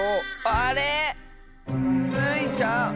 あれ⁉スイちゃん！